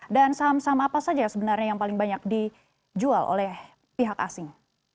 dan saham saham apa saja sebenarnya yang paling banyak dijual oleh pihak asing